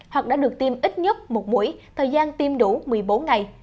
hoặc đã được tiêm ít nhất một mũi thời gian tiêm đủ một mươi bốn ngày